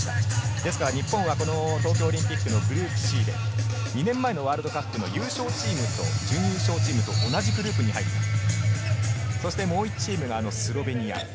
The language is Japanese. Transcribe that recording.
ですから日本は東京オリンピックのグループＣで２年前のワールドカップの優勝チームと準優勝チームと同じグループに入ると。